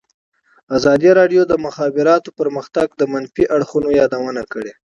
ازادي راډیو د د مخابراتو پرمختګ د منفي اړخونو یادونه کړې.